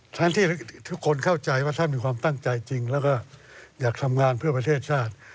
ทั้งที่ทุกคนเข้าใจว่าท่านมีความตั้งใจจริงแล้วก็อยากทำงานเพื่อประเทศชาติ